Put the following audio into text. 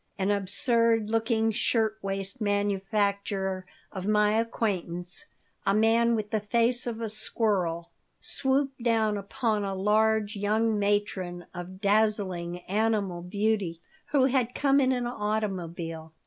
An absurd looking shirt waist manufacturer of my acquaintance, a man with the face of a squirrel, swooped down upon a large young matron of dazzling animal beauty who had come in an automobile.